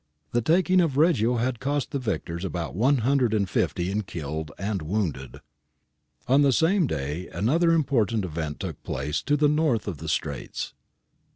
The taking of Reggio had cost the victors about 150 in killed and wounded.^ On the same day another important event took place to the north of the Straits.